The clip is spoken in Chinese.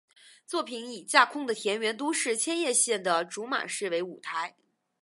作品以架空的田园都市千叶县的竹马市为舞台。